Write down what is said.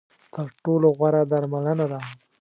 تر ټولو غوره درملنه ده .